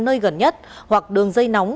nơi gần nhất hoặc đường dây nóng